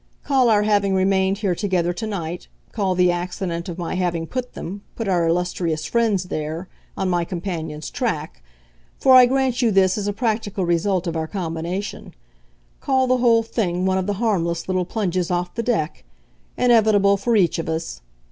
Call our having remained here together to night, call the accident of my having put them, put our illustrious friends there, on my companion's track for I grant you this as a practical result of our combination call the whole thing one of the harmless little plunges off the deck, inevitable for each of us.